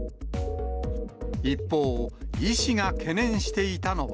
一方、医師が懸念していたのは。